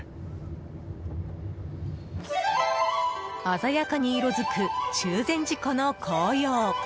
鮮やかに色づく中禅寺湖の紅葉。